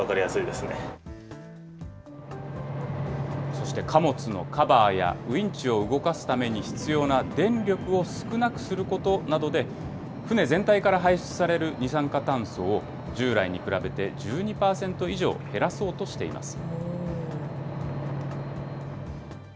そして貨物のカバーやウインチを動かすために必要な電力を少なくすることなどで、船全体から排出される二酸化炭素を、従来に比べて１２％以上減らそうとしています。